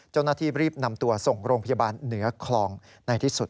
เจ้าหน้าที่รีบนำตัวส่งโรงพยาบาลเหนือคลองในที่สุด